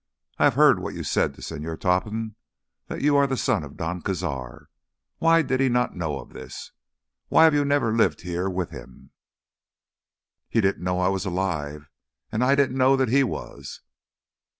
I have heard what you said to Señor Topham, that you are the son of Don Cazar. Why did he not know of this? Why have you never lived here with him?" "He didn't know I was alive, and I didn't know that he was.